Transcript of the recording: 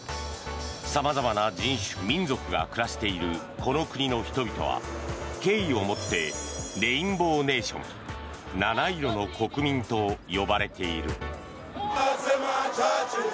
様々な人種、民族が暮らしているこの国の人々は敬意を持ってレインボーネーション七色の国民と呼ばれている。